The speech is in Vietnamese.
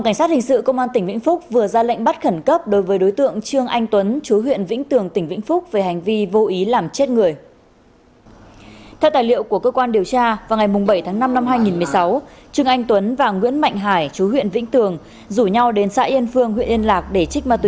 hãy đăng ký kênh để ủng hộ kênh của chúng mình nhé